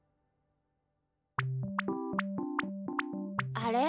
あれ？